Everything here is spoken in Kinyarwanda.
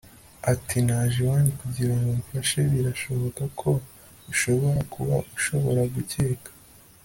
ati naje iwanyu kugira ngo mfashe. birashoboka ko ushobora kuba ushobora gukeka